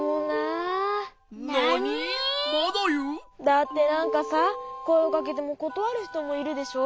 だってなんかさこえをかけてもことわるひともいるでしょ？